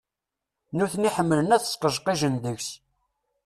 Nutni ḥemmlen ad sqejqijen deg-s.